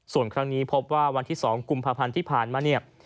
ส่วนครั้งนี้พบว่าวันที่๒กุมภาพันธ์ที่ผ่านมาเนี่ย